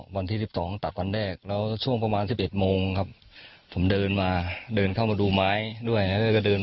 วันที่๑๒ตักวันแรกแล้วช่วงประมาณ๑๑โมงครับผมเดินมาเดินเข้ามาดูไม้ด้วยแล้วก็เดิน